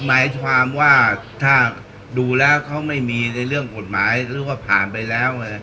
หมายความว่าถ้าดูแล้วเขาไม่มีในเรื่องกฎหมายหรือว่าผ่านไปแล้วไง